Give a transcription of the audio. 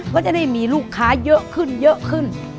ก็จะได้มีลูกค้าเยอะขึ้น